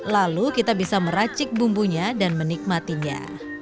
lalu kita bisa meracik bumbunya dan menikmatinya